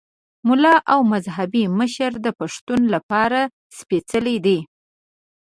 ملا او مذهبي مشر د پښتون لپاره سپېڅلی دی.